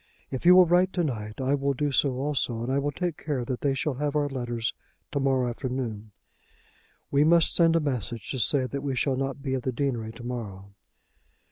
If you will write to night I will do so also, and I will take care that they shall have our letters to morrow afternoon. We must send a message to say that we shall not be at the deanery to morrow."